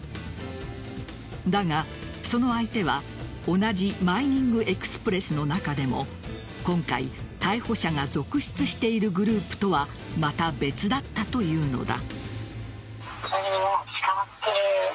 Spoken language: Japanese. だが、その相手は同じマイニングエクスプレスの中でも今回、逮捕者が続出しているグループとはまた別だったというのだ。